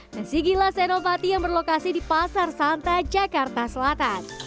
nasi gila senopati yang berlokasi di pasar santa jakarta selatan